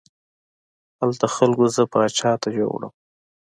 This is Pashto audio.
هلته خلکو زه پاچا ته یووړم.